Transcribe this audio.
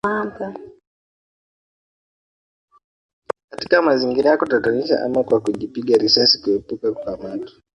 Katika mazingira ya kutatanisha ama kwa kujipiga risasi kuepuka kukamatwa